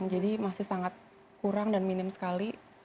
jadi masih sangat kurang dan minim sekali